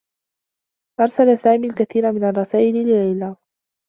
أرسل سامي الكثير من الرّسائل لليلى.